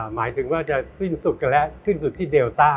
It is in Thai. หมายถึงว่าจะสิ้นสุดกันแล้วสิ้นสุดที่เดลต้า